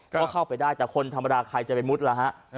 ก็เข้าไปได้แต่คนธรรมดาใครจะไปมุดล่ะฮะ